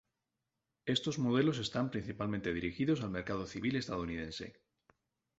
Estos modelos están principalmente dirigidos al mercado civil estadounidense.